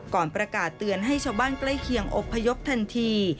ก่อนประกาศเตือนให้ชาวบ้านใกล้เคียงอบพยพทันที